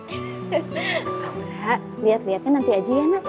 aura lihat lihatkan nanti aja ya nak